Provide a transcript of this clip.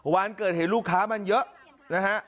วันเกิดเหตุลูกค้ามันเยอะนะฮะ